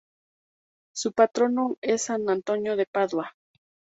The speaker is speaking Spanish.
Su patrono es San Antonio de Padua.